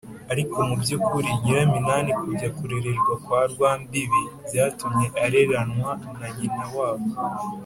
ariko mu by’ukuri nyiraminani kujya kurererwa kwa rwambibi byatumye areranwa na nyina wabo